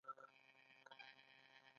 دا د کوچي کلتور نښه وه